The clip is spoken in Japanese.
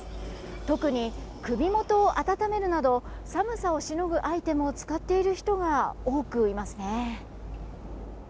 特に首元を温めるなど寒さをしのぐアイテムを使っている人が多くいますね。